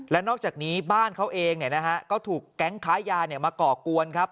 และนอกจากนี้บ้านเขาเองก็ถูกแก๊งค้ายามาก่อกวนครับ